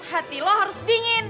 hati lo harus dingin